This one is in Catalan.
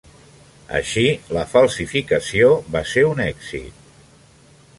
Així, la falsificació va ser un èxit.